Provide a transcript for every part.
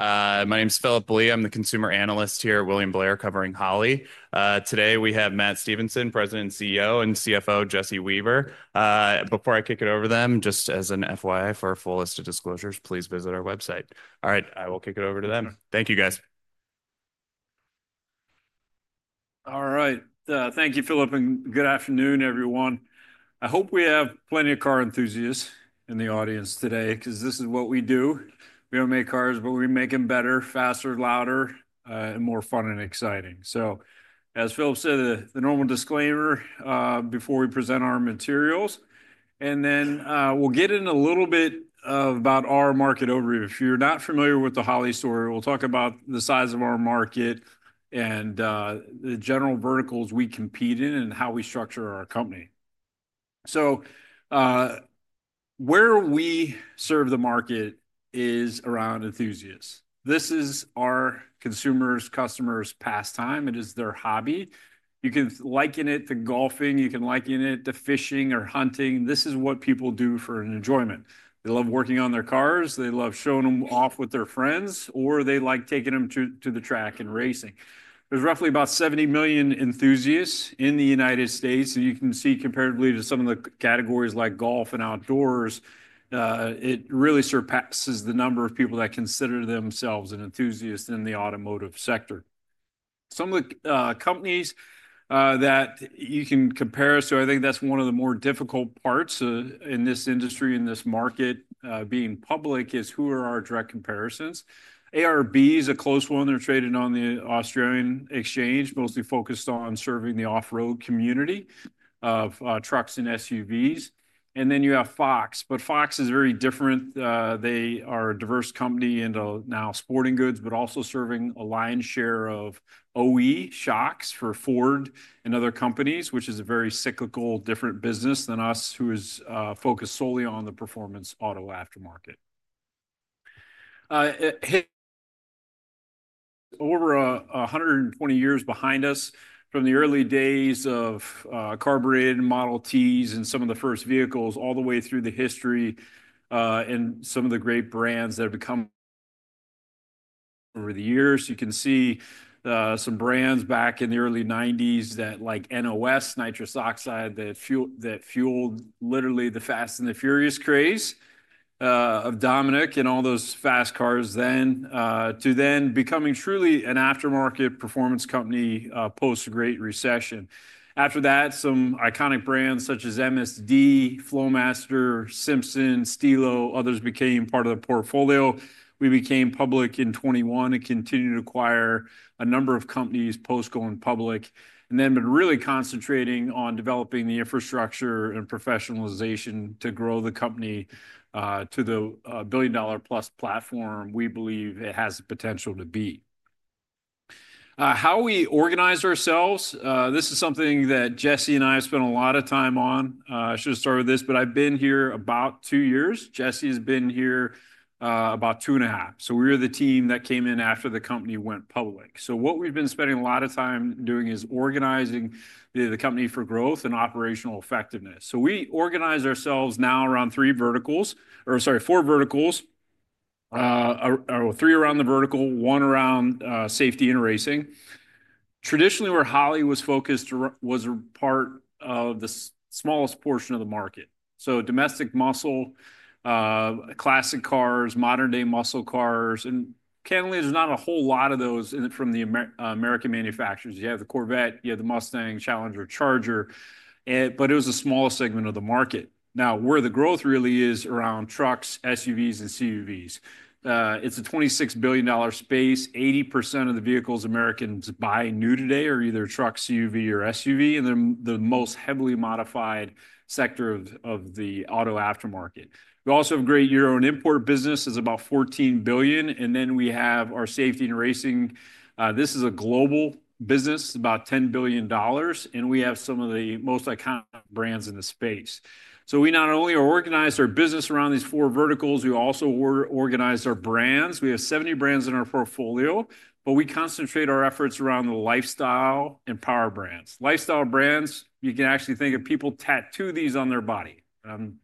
My name's Philip Blee. I'm the consumer analyst here at William Blair covering Holley. Today we have Matt Stevenson, President and CEO, and CFO Jesse Weaver. Before I kick it over to them, just as an FYI for our full list of disclosures, please visit our website. All right, I will kick it over to them. Thank you, guys. All right. Thank you, Philip, and good afternoon, everyone. I hope we have plenty of car enthusiasts in the audience today because this is what we do. We do not make cars, but we make them better, faster, louder, and more fun and exciting. As Philip said, the normal disclaimer before we present our materials, and then we will get in a little bit about our market overview. If you are not familiar with the Holley story, we will talk about the size of our market and the general verticals we compete in and how we structure our company. Where we serve the market is around enthusiasts. This is our consumers' customers' pastime. It is their hobby. You can liken it to golfing. You can liken it to fishing or hunting. This is what people do for enjoyment. They love working on their cars. They love showing them off with their friends, or they like taking them to the track and racing. There are roughly about $70 million enthusiasts in the United States. You can see comparatively to some of the categories like golf and outdoors, it really surpasses the number of people that consider themselves an enthusiast in the automotive sector. Some of the companies that you can compare us to, I think that's one of the more difficult parts in this industry, in this market being public, is who are our direct comparisons? ARB is a close one. They're traded on the Australian Exchange, mostly focused on serving the off-road community of trucks and SUVs. You have Fox. Fox is very different. They are a diverse company into now sporting goods, but also serving a lion's share of OE shocks for Ford and other companies, which is a very cyclical, different business than us, who is focused solely on the performance auto aftermarket. Over 120 years behind us from the early days of carbureted Model T's and some of the first vehicles all the way through the history and some of the great brands that have become over the years. You can see some brands back in the early 1990s that like NOS, nitrous oxide, that fueled literally the Fast and the Furious craze of Dominic and all those fast cars then, to then becoming truly an aftermarket performance company post-Great Recession. After that, some iconic brands such as MSD, Flowmaster, Simpson, Stilo, others became part of the portfolio. We became public in 2021 and continued to acquire a number of companies post-going public, and then been really concentrating on developing the infrastructure and professionalization to grow the company to the billion-dollar-plus platform we believe it has the potential to be. How we organize ourselves, this is something that Jesse and I have spent a lot of time on. I should have started with this, but I've been here about two years. Jesse has been here about two and a half. So we're the team that came in after the company went public. What we've been spending a lot of time doing is organizing the company for growth and operational effectiveness. We organize ourselves now around three verticals or, sorry, four verticals, three around the vertical, one around safety and racing. Traditionally, where Holley was focused was a part of the smallest portion of the market. Domestic muscle, classic cars, modern-day muscle cars, and candidly, there's not a whole lot of those from the American manufacturers. You have the Corvette, you have the Mustang, Challenger, Charger, but it was the smallest segment of the market. Now, where the growth really is around trucks, SUVs, and CUVs. It's a $26 billion space. 80% of the vehicles Americans buy new today are either a truck, CUV, or SUV, and they're the most heavily modified sector of the auto aftermarket. We also have a great Euro & Import business. It's about $14 billion. And then we have our Safety & Racing. This is a global business, about $10 billion, and we have some of the most iconic brands in the space. We not only organize our business around these four verticals, we also organize our brands. We have 70 brands in our portfolio, but we concentrate our efforts around the lifestyle and power brands. Lifestyle brands, you can actually think of people tattoo these on their body. I'm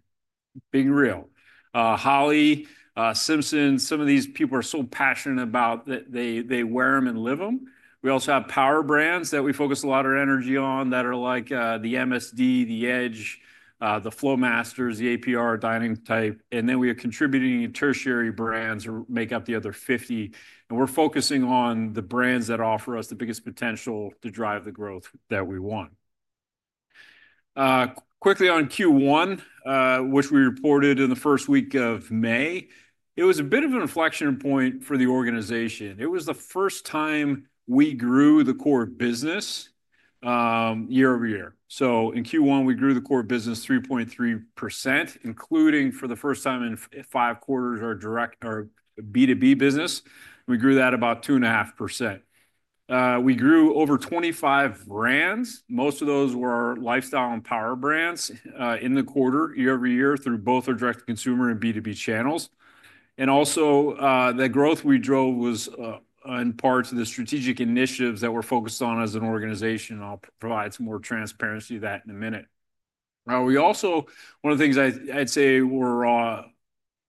being real. Holley, Simpson, some of these people are so passionate about that they wear them and live them. We also have power brands that we focus a lot of our energy on that are like the MSD, the Edge, the Flowmaster, the APR, Dining Type. We are contributing tertiary brands that make up the other 50. We are focusing on the brands that offer us the biggest potential to drive the growth that we want. Quickly on Q1, which we reported in the first week of May, it was a bit of an inflection point for the organization. It was the first time we grew the core business year-over-year. In Q1, we grew the core business 3.3%, including for the first time in five quarters our B2B business. We grew that about 2.5%. We grew over 25 brands. Most of those were our lifestyle and power brands in the quarter year-over-year through both our direct-to-consumer and B2B channels. Also, the growth we drove was in parts of the strategic initiatives that we're focused on as an organization. I'll provide some more transparency of that in a minute. Now, one of the things I'd say we're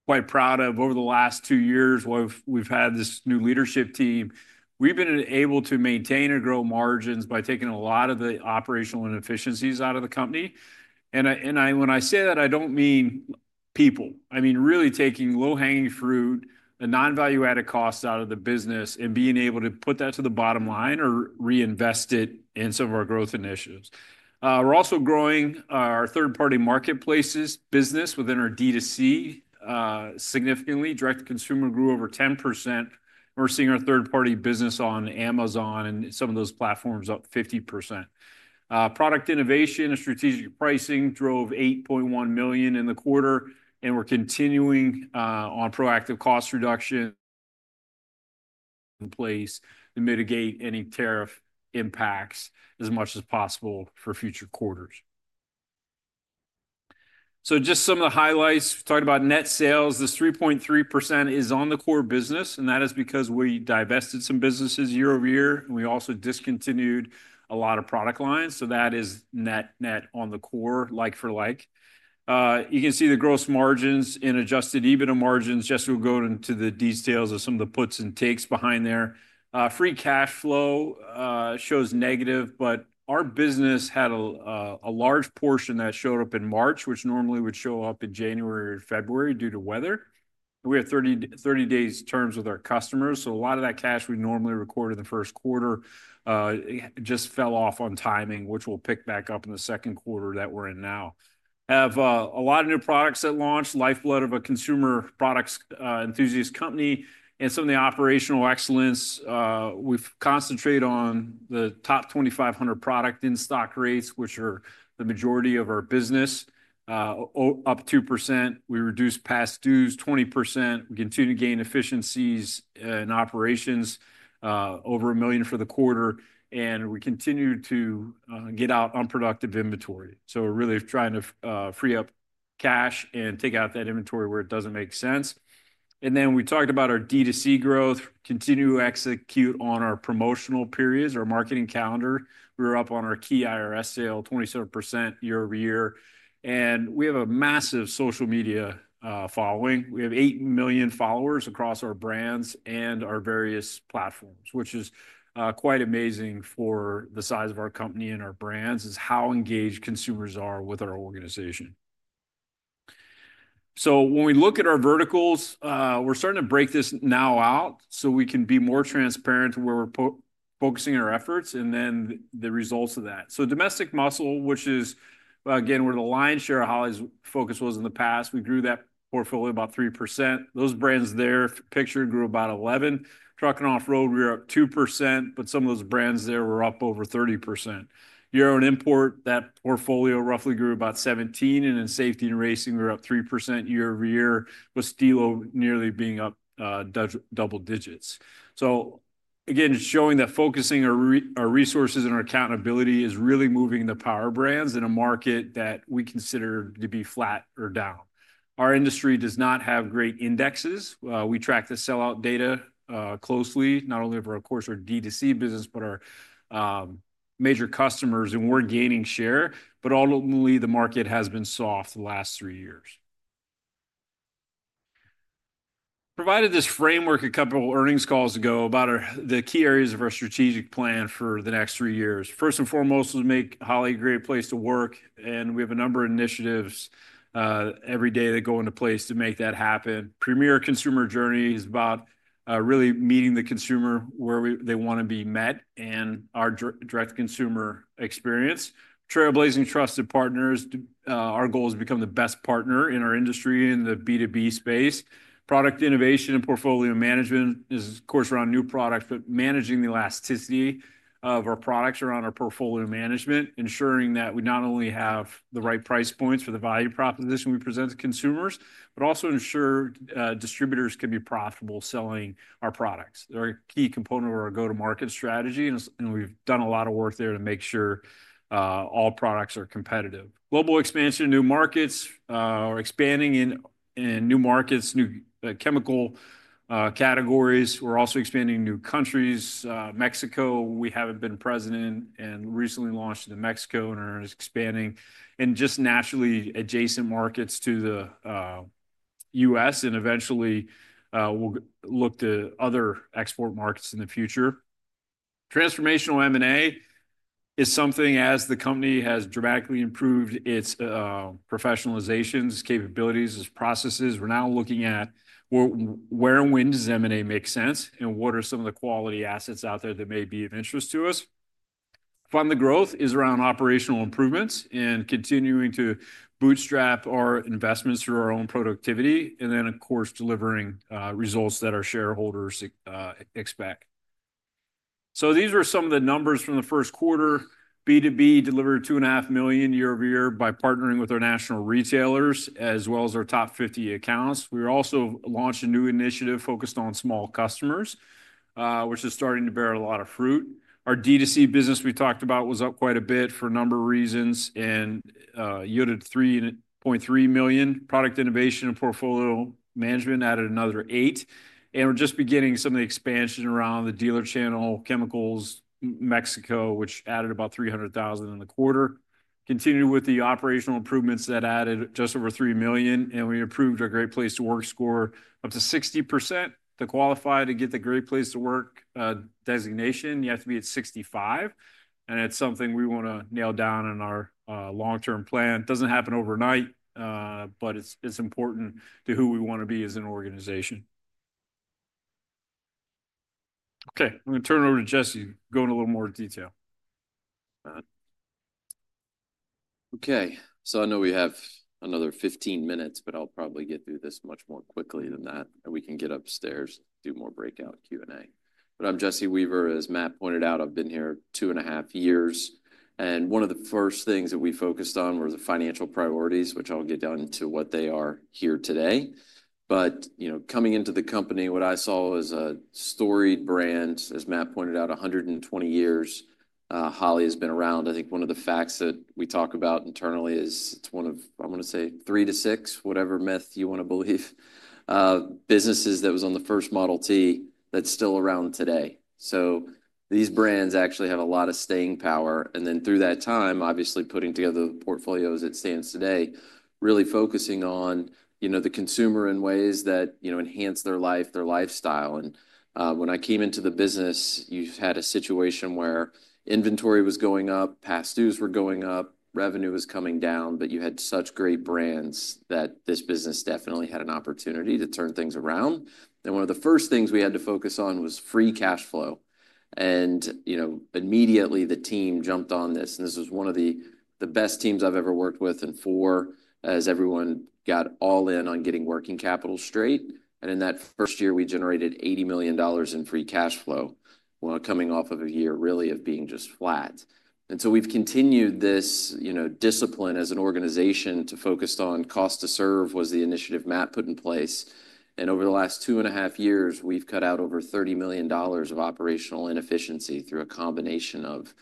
quite proud of over the last two years while we've had this new leadership team, we've been able to maintain and grow margins by taking a lot of the operational inefficiencies out of the company. When I say that, I don't mean people. I mean really taking low-hanging fruit, the non-value-added costs out of the business, and being able to put that to the bottom line or reinvest it in some of our growth initiatives. We're also growing our third-party marketplaces business within our D2C significantly. Direct-to-consumer grew over 10%. We're seeing our third-party business on Amazon and some of those platforms up 50%. Product innovation and strategic pricing drove $8.1 million in the quarter, and we're continuing on proactive cost reduction in place to mitigate any tariff impacts as much as possible for future quarters. Just some of the highlights. We talked about net sales. This 3.3% is on the core business, and that is because we divested some businesses year-over-year, and we also discontinued a lot of product lines. That is net on the core, like for like. You can see the gross margins and adjusted EBITDA margins. Jesse will go into the details of some of the puts and takes behind there. Free cash flow shows negative, but our business had a large portion that showed up in March, which normally would show up in January or February due to weather. We have 30 days' terms with our customers. So a lot of that cash we normally recorded in the first quarter just fell off on timing, which we'll pick back up in the second quarter that we're in now. Have a lot of new products that launched, lifeblood of a consumer products enthusiast company, and some of the operational excellence. We've concentrated on the top 2,500 product in stock rates, which are the majority of our business, up 2%. We reduced past dues 20%. We continue to gain efficiencies in operations, over $1 million for the quarter, and we continue to get out unproductive inventory. We are really trying to free up cash and take out that inventory where it does not make sense. We talked about our D2C growth. Continue to execute on our promotional periods, our marketing calendar. We were up on our key IRS sale 27% year-over-year. We have a massive social media following. We have 8 million followers across our brands and our various platforms, which is quite amazing for the size of our company and our brands, is how engaged consumers are with our organization. When we look at our verticals, we are starting to break this now out so we can be more transparent to where we are focusing our efforts and then the results of that. Domestic muscle, which is, again, where the lion's share of Holley's focus was in the past, we grew that portfolio about 3%. Those brands there pictured grew about 11%. Truck and off-road, we were up 2%, but some of those brands there were up over 30%. Euro and import, that portfolio roughly grew about 17%, and in safety and racing, we were up 3% year-over year, with Stilo nearly being up double digits. Again, it's showing that focusing our resources and our accountability is really moving the power brands in a market that we consider to be flat or down. Our industry does not have great indexes. We track the sellout data closely, not only for, of course, our D2C business, but our major customers, and we're gaining share, but ultimately, the market has been soft the last three years. Provided this framework a couple of earnings calls ago about the key areas of our strategic plan for the next three years. First and foremost, we make Holley a great place to work, and we have a number of initiatives every day that go into place to make that happen. Premier Consumer Journey is about really meeting the consumer where they want to be met and our direct-to-consumer experience. Trailblazing Trusted Partners, our goal is to become the best partner in our industry in the B2B space. Product innovation and portfolio management is, of course, around new products, but managing the elasticity of our products around our portfolio management, ensuring that we not only have the right price points for the value proposition we present to consumers, but also ensure distributors can be profitable selling our products. They're a key component of our go-to-market strategy, and we've done a lot of work there to make sure all products are competitive. Global expansion in new markets. We're expanding in new markets, new chemical categories. We're also expanding new countries. Mexico, we haven't been present in and recently launched into Mexico and are expanding in just naturally adjacent markets to the U.S., and eventually, we'll look to other export markets in the future. Transformational M&A is something, as the company has dramatically improved its professionalizations, its capabilities, its processes. We're now looking at where and when does M&A make sense and what are some of the quality assets out there that may be of interest to us. Fund the growth is around operational improvements and continuing to bootstrap our investments through our own productivity, and then, of course, delivering results that our shareholders expect. These were some of the numbers from the first quarter. B2B delivered $2.5 million year-over-year by partnering with our national retailers as well as our top 50 accounts. We also launched a new initiative focused on small customers, which is starting to bear a lot of fruit. Our D2C business we talked about was up quite a bit for a number of reasons, and yielded $3.3 million. Product innovation and portfolio management added another $8 million. We are just beginning some of the expansion around the dealer channel chemicals Mexico, which added about $300,000 in the quarter. Continued with the operational improvements that added just over $3 million, and we improved our Great Place to Work score up to 60%. To qualify to get the Great Place to Work designation, you have to be at 65, and it's something we want to nail down in our long-term plan. It doesn't happen overnight, but it's important to who we want to be as an organization. Okay, I'm going to turn it over to Jesse, going a little more detail. Okay, so I know we have another 15 minutes, but I'll probably get through this much more quickly than that, and we can get upstairs, do more breakout Q&A. But I'm Jesse Weaver. As Matt pointed out, I've been here two and a half years, and one of the first things that we focused on were the financial priorities, which I'll get down to what they are here today. But coming into the company, what I saw was a storied brand. As Matt pointed out, 120 years Holley has been around. I think one of the facts that we talk about internally is it's one of, I'm going to say, three to six, whatever myth you want to believe, businesses that was on the first Model T that's still around today. These brands actually have a lot of staying power. Through that time, obviously putting together the portfolios as it stands today, really focusing on the consumer in ways that enhance their life, their lifestyle. When I came into the business, you had a situation where inventory was going up, past dues were going up, revenue was coming down, but you had such great brands that this business definitely had an opportunity to turn things around. One of the first things we had to focus on was free cash flow. Immediately, the team jumped on this, and this was one of the best teams I've ever worked with and for as everyone got all in on getting working capital straight. In that first year, we generated $80 million in free cash flow while coming off of a year really of being just flat. We have continued this discipline as an organization to focus on cost to serve, which was the initiative Matt put in place. Over the last two and a half years, we have cut out over $30 million of operational inefficiency through a combination of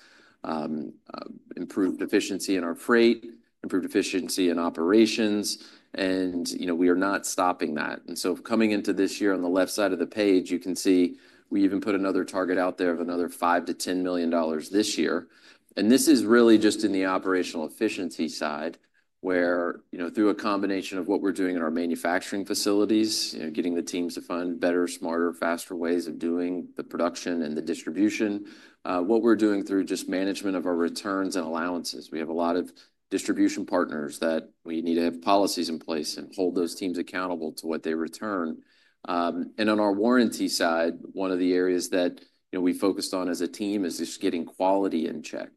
improved efficiency in our freight, improved efficiency in operations, and we are not stopping that. Coming into this year, on the left side of the page, you can see we even put another target out there of another $5-$10 million this year. This is really just in the operational efficiency side where through a combination of what we're doing in our manufacturing facilities, getting the teams to find better, smarter, faster ways of doing the production and the distribution, what we're doing through just management of our returns and allowances. We have a lot of distribution partners that we need to have policies in place and hold those teams accountable to what they return. On our warranty side, one of the areas that we focused on as a team is just getting quality in check.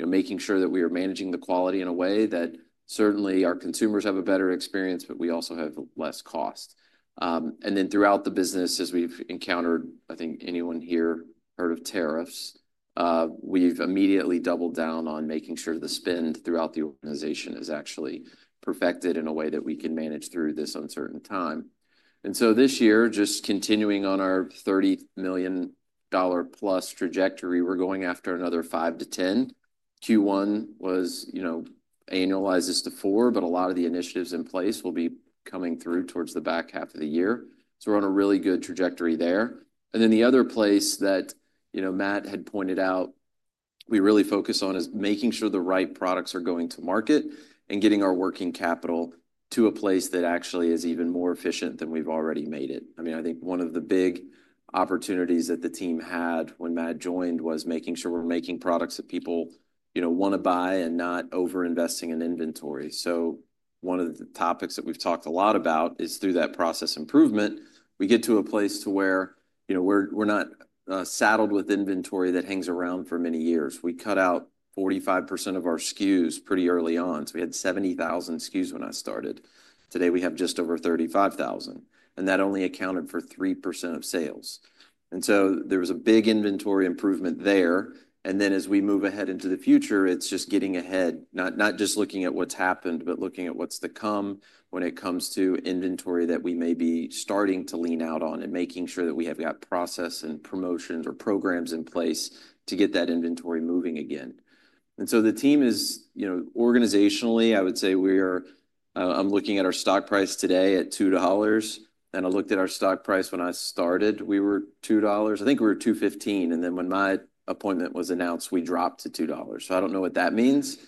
Making sure that we are managing the quality in a way that certainly our consumers have a better experience, but we also have less cost. Throughout the business, as we've encountered, I think anyone here heard of tariffs, we've immediately doubled down on making sure the spend throughout the organization is actually perfected in a way that we can manage through this uncertain time. This year, just continuing on our $30 million-plus trajectory, we're going after another $5 million-$10 million. Q1 was annualized this to $4 million, but a lot of the initiatives in place will be coming through towards the back half of the year. We're on a really good trajectory there. The other place that Matt had pointed out we really focus on is making sure the right products are going to market and getting our working capital to a place that actually is even more efficient than we've already made it. I mean, I think one of the big opportunities that the team had when Matt joined was making sure we're making products that people want to buy and not overinvesting in inventory. One of the topics that we've talked a lot about is through that process improvement, we get to a place to where we're not saddled with inventory that hangs around for many years. We cut out 45% of our SKUs pretty early on. We had 70,000 SKUs when I started. Today, we have just over 35,000, and that only accounted for 3% of sales. There was a big inventory improvement there. As we move ahead into the future, it's just getting ahead, not just looking at what's happened, but looking at what's to come when it comes to inventory that we may be starting to lean out on and making sure that we have got process and promotions or programs in place to get that inventory moving again. The team is organizationally, I would say we're, I'm looking at our stock price today at $2, and I looked at our stock price when I started, we were $2. I think we were $2.15, and then when my appointment was announced, we dropped to $2. I don't know what that means,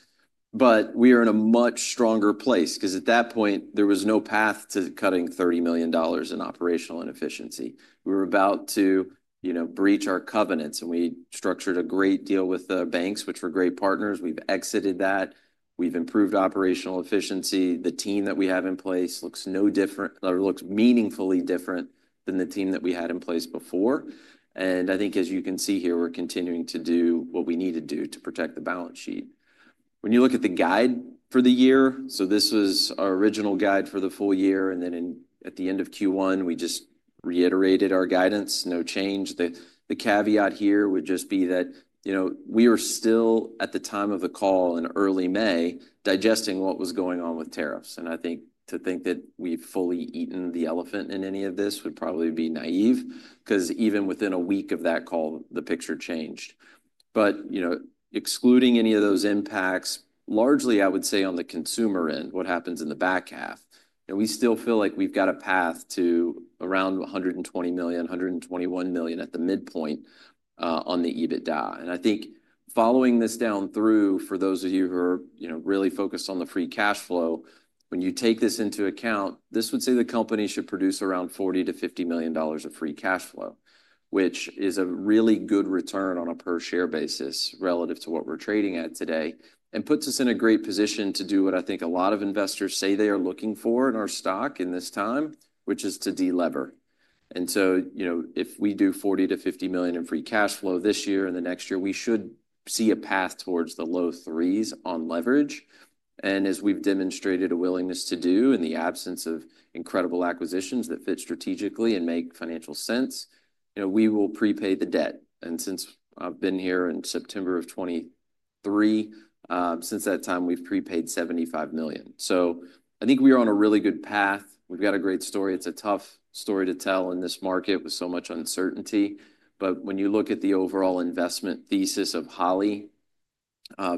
but we are in a much stronger place because at that point, there was no path to cutting $30 million in operational inefficiency. We were about to breach our covenants, and we structured a great deal with the banks, which were great partners. We have exited that. We have improved operational efficiency. The team that we have in place looks meaningfully different than the team that we had in place before. I think, as you can see here, we are continuing to do what we need to do to protect the balance sheet. When you look at the guide for the year, this was our original guide for the full year, and then at the end of Q1, we just reiterated our guidance, no change. The caveat here would just be that we were still, at the time of the call in early May, digesting what was going on with tariffs. I think to think that we've fully eaten the elephant in any of this would probably be naive because even within a week of that call, the picture changed. Excluding any of those impacts, largely, I would say on the consumer end, what happens in the back half, we still feel like we've got a path to around $120 million-$121 million at the midpoint on the EBITDA. I think following this down through, for those of you who are really focused on the free cash flow, when you take this into account, this would say the company should produce around $40-$50 million of free cash flow, which is a really good return on a per-share basis relative to what we're trading at today and puts us in a great position to do what I think a lot of investors say they are looking for in our stock in this time, which is to deliver. If we do $40-$50 million in free cash flow this year and the next year, we should see a path towards the low threes on leverage. As we've demonstrated a willingness to do in the absence of incredible acquisitions that fit strategically and make financial sense, we will prepay the debt. Since I've been here in September of 2023, since that time, we've prepaid $75 million. I think we are on a really good path. We've got a great story. It's a tough story to tell in this market with so much uncertainty. When you look at the overall investment thesis of Holley,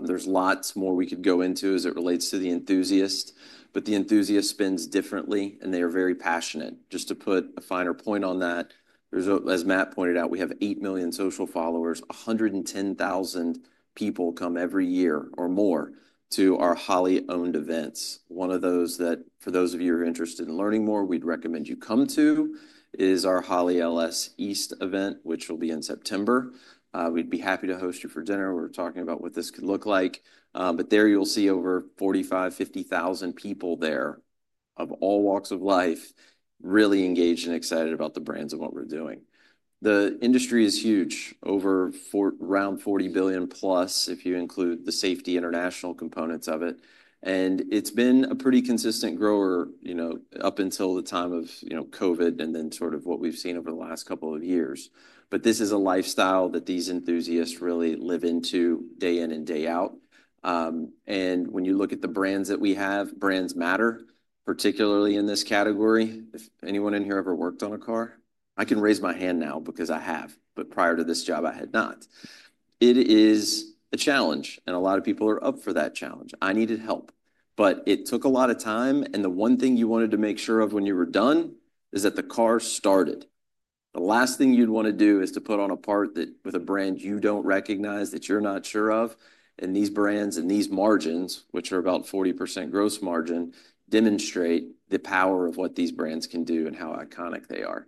there's lots more we could go into as it relates to the enthusiast, but the enthusiast spends differently, and they are very passionate. Just to put a finer point on that, as Matt pointed out, we have $8 million social followers, 110,000 people come every year or more to our Holley-owned events. One of those that, for those of you who are interested in learning more, we'd recommend you come to is our Holley LS East event, which will be in September. We'd be happy to host you for dinner. We're talking about what this could look like. There you'll see over 45,000-50,000 people there of all walks of life really engaged and excited about the brands and what we're doing. The industry is huge, over around $40 billion plus if you include the safety international components of it. It's been a pretty consistent grower up until the time of COVID and then sort of what we've seen over the last couple of years. This is a lifestyle that these enthusiasts really live into day in and day out. When you look at the brands that we have, brands matter, particularly in this category. If anyone in here ever worked on a car, I can raise my hand now because I have, but prior to this job, I had not. It is a challenge, and a lot of people are up for that challenge. I needed help, but it took a lot of time. The one thing you wanted to make sure of when you were done is that the car started. The last thing you'd want to do is to put on a part with a brand you don't recognize that you're not sure of. These brands and these margins, which are about 40% gross margin, demonstrate the power of what these brands can do and how iconic they are.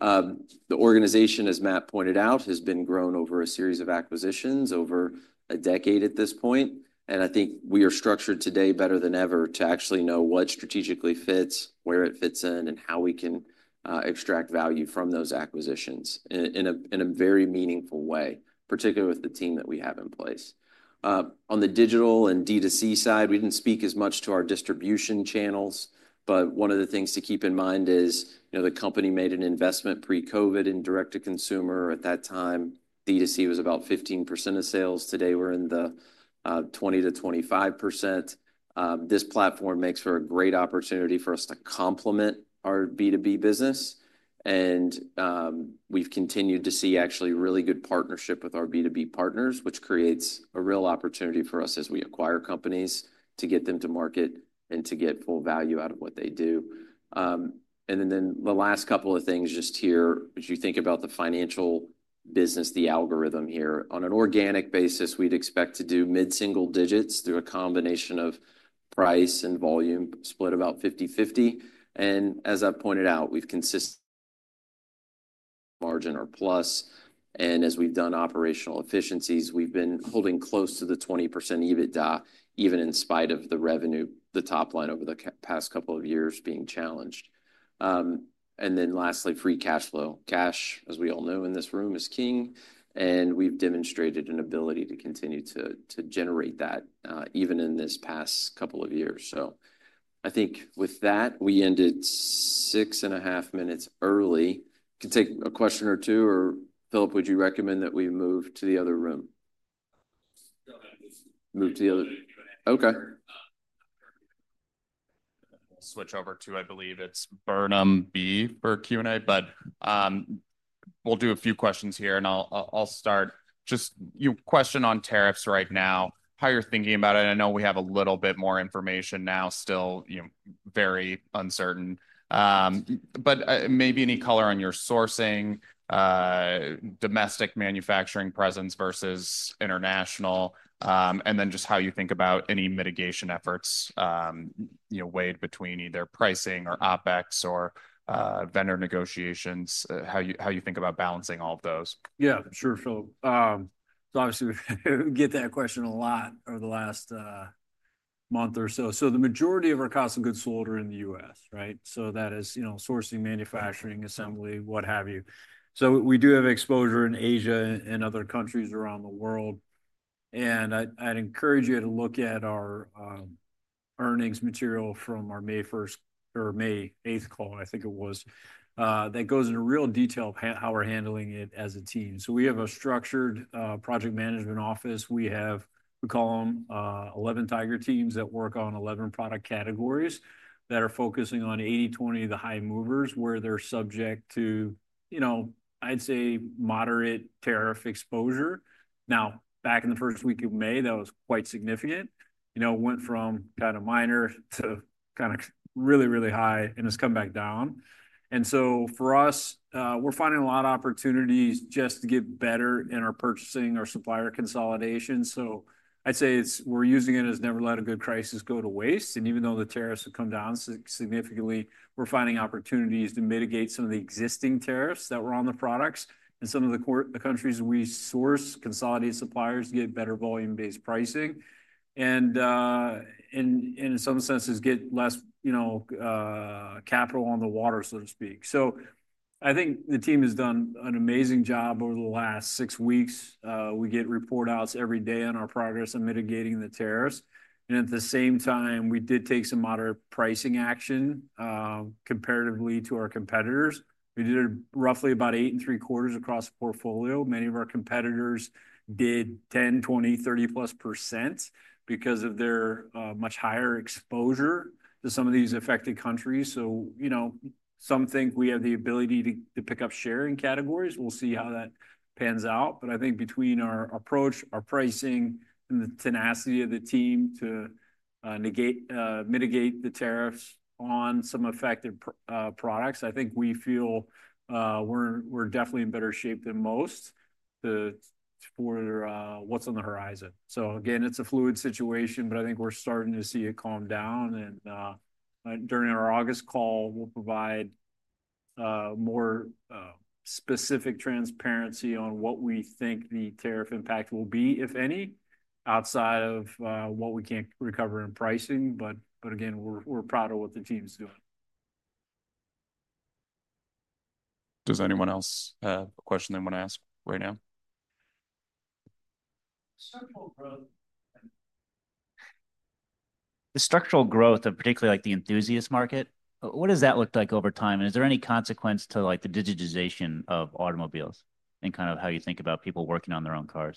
The organization, as Matt pointed out, has been grown over a series of acquisitions over a decade at this point. I think we are structured today better than ever to actually know what strategically fits, where it fits in, and how we can extract value from those acquisitions in a very meaningful way, particularly with the team that we have in place. On the digital and D2C side, we did not speak as much to our distribution channels, but one of the things to keep in mind is the company made an investment pre-COVID in direct-to-consumer at that time. D2C was about 15% of sales. Today, we are in the 20-25%. This platform makes for a great opportunity for us to complement our B2B business. We have continued to see actually really good partnership with our B2B partners, which creates a real opportunity for us as we acquire companies to get them to market and to get full value out of what they do. The last couple of things just here, as you think about the financial business, the algorithm here. On an organic basis, we would expect to do mid-single digits through a combination of price and volume split about 50/50. As I pointed out, we've consistently been in a margin or plus. As we've done operational efficiencies, we've been holding close to the 20% EBITDA, even in spite of the revenue, the top line over the past couple of years being challenged. Lastly, free cash flow. Cash, as we all know in this room, is king, and we've demonstrated an ability to continue to generate that even in this past couple of years. I think with that, we ended six and a half minutes early. Can take a question or two. Philip, would you recommend that we move to the other room? Move to the other room. Okay. We'll switch over to, I believe it's Burnham B for Q&A, but we'll do a few questions here, and I'll start. Just your question on tariffs right now, how you're thinking about it. I know we have a little bit more information now, still very uncertain, but maybe any color on your sourcing, domestic manufacturing presence versus international, and then just how you think about any mitigation efforts weighed between either pricing or OpEx or vendor negotiations, how you think about balancing all of those. Yeah, sure, Philip. So obviously, we get that question a lot over the last month or so. The majority of our cost of goods sold are in the U.S., right? That is sourcing, manufacturing, assembly, what have you. We do have exposure in Asia and other countries around the world. I'd encourage you to look at our earnings material from our May 8th call, I think it was, that goes into real detail of how we're handling it as a team. We have a structured project management office. We call them 11 tiger teams that work on 11 product categories that are focusing on 80/20, the high movers, where they're subject to, I'd say, moderate tariff exposure. Now, back in the first week of May, that was quite significant. It went from kind of minor to kind of really, really high and has come back down. For us, we're finding a lot of opportunities just to get better in our purchasing, our supplier consolidation. I'd say we're using it as never let a good crisis go to waste. Even though the tariffs have come down significantly, we're finding opportunities to mitigate some of the existing tariffs that were on the products and some of the countries we source, consolidate suppliers to get better volume-based pricing and in some senses get less capital on the water, so to speak. I think the team has done an amazing job over the last six weeks. We get report outs every day on our progress in mitigating the tariffs. At the same time, we did take some moderate pricing action comparatively to our competitors. We did roughly about 8.75% across the portfolio. Many of our competitors did 10%, 20%, 30% plus because of their much higher exposure to some of these affected countries. Some think we have the ability to pick up share in categories. We'll see how that pans out. I think between our approach, our pricing, and the tenacity of the team to mitigate the tariffs on some affected products, I think we feel we're definitely in better shape than most for what's on the horizon. Again, it's a fluid situation, but I think we're starting to see it calm down. During our August call, we will provide more specific transparency on what we think the tariff impact will be, if any, outside of what we cannot recover in pricing. We are proud of what the team's doing. Does anyone else have a question they want to ask right now? Structural growth. The structural growth, and particularly the enthusiast market, what does that look like over time? Is there any consequence to the digitization of automobiles and kind of how you think about people working on their own cars?